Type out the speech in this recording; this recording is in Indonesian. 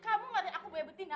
kamu melihat aku boya betina